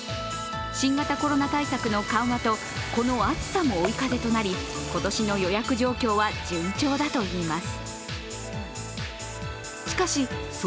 新型コロナ対策の緩和とこの暑さも追い風となり今年の予約状況は順調だといいます。